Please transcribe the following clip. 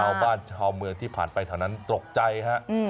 ชาวบ้านชาวเมืองที่ผ่านไปแถวนั้นตกใจฮะ